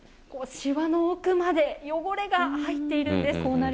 しわの奥まで汚れが入っているんです。